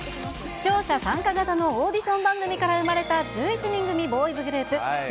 視聴者参加型のオーディション番組から生まれた１１人組ボーイズグループ、ＪＯ１。